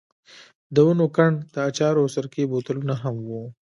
د ونو کنډ، د اچارو او سرکې بوتلونه هم وو.